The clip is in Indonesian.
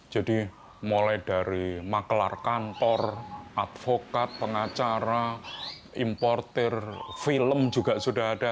jadi mulai dari makelar kantor advokat pengacara importer film juga sudah ada